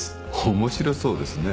面白そうですね。